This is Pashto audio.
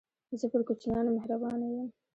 زه پر کوچنيانو مهربانه يم.